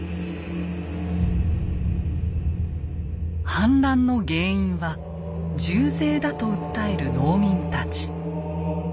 反乱の原因は重税だと訴える農民たち。